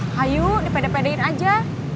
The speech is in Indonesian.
hayu dipede pedein aja